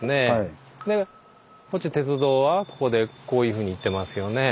鉄道はここでこういうふうに行ってますよね。